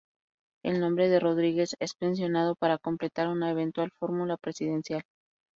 El nombre de Rodríguez es mencionado para completar una eventual fórmula presidencial.